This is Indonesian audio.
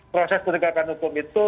proses penegakan hukum itu